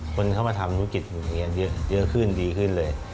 คนเข้ามาทำธุรกิจเยอะขึ้นดีขึ้นเลย